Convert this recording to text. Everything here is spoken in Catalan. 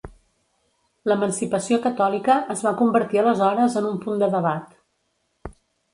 L'Emancipació catòlica es va convertir aleshores en un punt de debat.